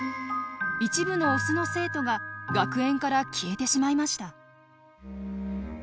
一部のオスの生徒が学園から消えてしまいました。